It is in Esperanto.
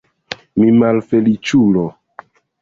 Mi malfeliĉulo!